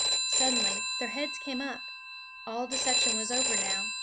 Suddenly their heads came up. All deception was over now.